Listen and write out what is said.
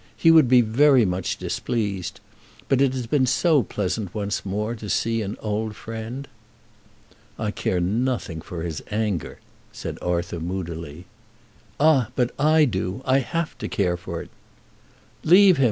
He would be very much displeased. But it has been so pleasant once more to see an old friend." "I care nothing for his anger," said Arthur moodily. "Ah, but I do. I have to care for it." "Leave him!